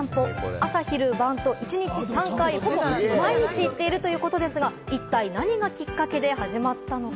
朝、昼、晩と一日３回、ほぼ毎日行っているということですが、一体何がきっかけで始まったのか？